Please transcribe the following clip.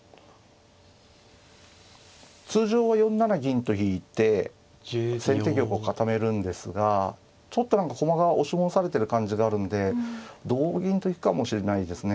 通常は４七銀と引いて先手玉を固めるんですがちょっと何か駒が押し戻されてる感じがあるんで同銀と行くかもしれないですね